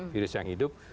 virus yang hidup